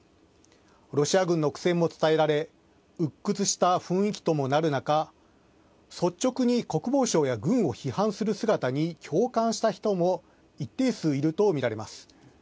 ロシア軍の苦戦も伝えられうっ屈した雰囲気ともなる中率直に国防省や軍を批判する姿に共感した人も一定数いると見られます。